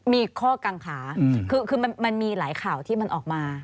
มีข้อกังขาคือมันมีหลายข่าวที่มันออกมา